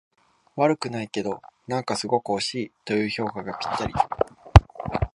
悪くないけど、なんかすごく惜しいという評価がぴったり